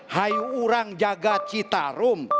hanya orang jaga citarum